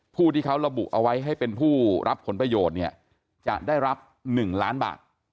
ผู้ที่เขาระบุเอาไว้ให้เป็นผู้รับผลประโยชน์เนี่ยจะได้รับ๑ล้านบาท